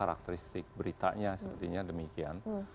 karakteristik beritanya sepertinya demikian